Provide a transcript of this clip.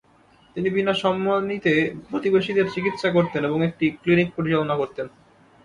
তিনি বিনা সম্মানীতে প্রতিবেশীদের চিকিৎসা করতেন এবং একটি ক্লিনিক পরিচালনা করতেন।